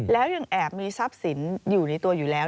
แล้วยังแอบมีทรัพย์สินอยู่ในตัวอยู่แล้ว